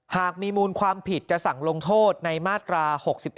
หากมีมูลความผิดจะสั่งลงโทษในมาตรา๖๑